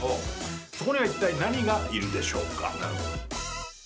そこにはいったい何がいるでしょうか？